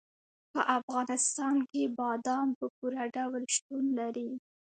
په افغانستان کې بادام په پوره ډول شتون لري.